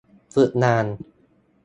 ฝึกงาน